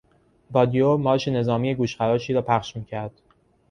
رادیو مارش نظامی گوشخراشی را پخش میکرد.